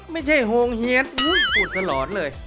ไม่ใช่โรงเฮียนอุ๊ยอุดสลอดเลย